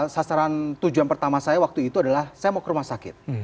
sasaran tujuan pertama saya waktu itu adalah saya mau ke rumah sakit